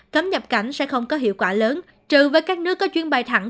cấm nhập cảnh sẽ không có hiệu quả lớn trừ với các nước có chuyên bài thẳng